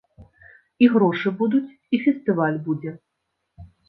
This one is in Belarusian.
І грошы будуць, і фестываль будзе.